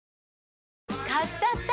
買っちゃった！